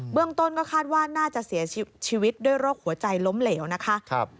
เรื่องต้นก็คาดว่าน่าจะเสียชีวิตด้วยโรคหัวใจล้มเหลวนะคะ